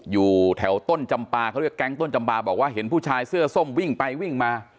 อยู่แถวต้นจำปาเขาเรียกแก๊งต้นจำปาบอกว่าเห็นผู้ชายเสื้อส้มวิ่งไปวิ่งมา